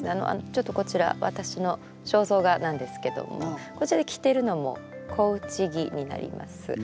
ちょっとこちら私の肖像画なんですけどもこちらで着てるのも小袿になります。